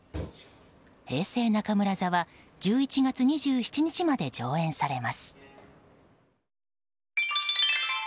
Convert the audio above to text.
「平成中村座」は１１月２７日まで上演されます。